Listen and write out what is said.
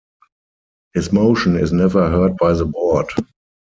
His motion is never heard by the board.